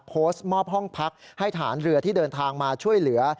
โพสต์มอบห้องพักให้ทหารเรือที่เดินทางมาช่วยเหลือ